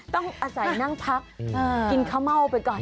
ต้องอาศัยนั่งพักกินข้าวเม่าไปก่อน